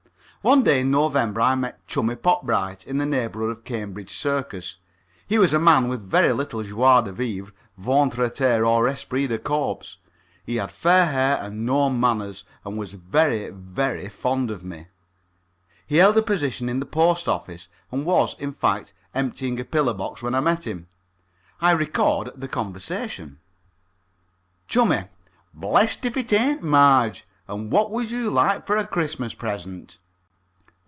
One day in November I met Chummie Popbright in the neighbourhood of Cambridge Circus. He was a man with very little joie de vivre, ventre à terre, or esprit de corps. He had fair hair and no manners, and was very, very fond of me. He held a position in the Post Office, and was, in fact, emptying a pillar box when I met him. I record the conversation. CHUMMIE: Blessed if it ain't Marge! And what would you like for a Christmas present?